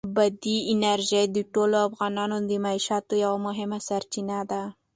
بادي انرژي د ټولو افغانانو د معیشت یوه مهمه سرچینه ده.